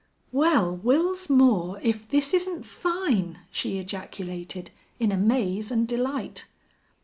"Well Wils Moore if this isn't fine!" she ejaculated, in amaze and delight.